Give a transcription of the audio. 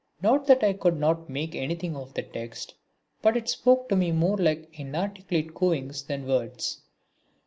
Not that I could not make anything of the text, but it spoke to me more like inarticulate cooings than words.